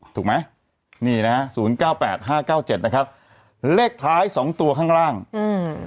ถูกไหมนี่นะฮะศูนย์เก้าแปดห้าเก้าเจ็ดนะครับเลขท้ายสองตัวข้างล่างอืม